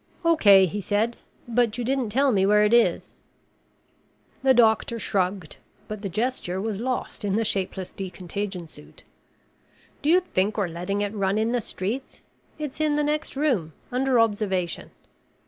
"Okay," he said. "But you didn't tell me where it is." The doctor shrugged, but the gesture was lost in the shapeless decontagion suit. "Do you think we're letting it run in the streets? It's in the next room, under observation."